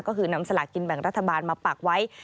ก็คือนำสลากินแบ่งรัฐบาลมาปักไว้